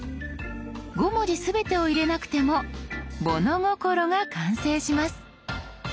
５文字全てを入れなくても「物心」が完成します。